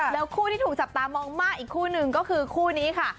แล้วคู่ที่ถูกจับตามองมากอีกคู่หนึ่งก็คือคู่นี้ค่ะ